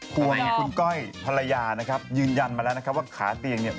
คุณก้อยภรรยานะครับยืนยันมาแล้วว่าขาเตียงไม่หัก